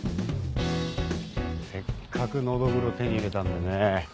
せっかくのどぐろ手に入れたんでね。